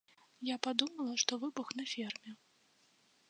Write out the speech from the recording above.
Я падумала, што выбух на ферме.